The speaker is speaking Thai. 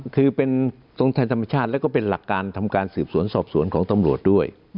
คือเป็นตรงทางธรรมชาติแล้วก็เป็นหลักการทำการสืบสวนสอบสวนของตำรวจด้วย